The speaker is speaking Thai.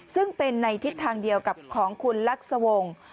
ซึ่งเป็นในทิศทางเดียวกับของคุณลักษวงศ์